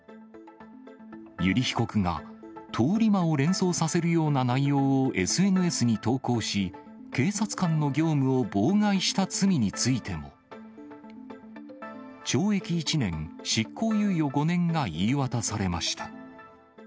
油利被告が、通り魔を連想させるような内容をＳＮＳに投稿し、警察官の業務を妨害した罪についても。懲役１年、執行猶予５年が言い渡されました。